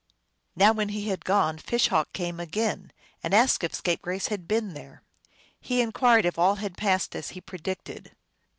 Now when he had gone Fish Hawk came again, and asked if Scapegrace had been there. He inquired if all had passed as he predicted.